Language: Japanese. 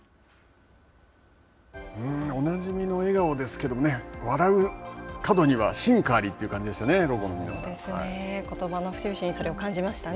おなじみの笑顔ですけどね笑う門には進化ありという感じでしたね、そうですね、ことばのふしぶしにそれを感じましたね。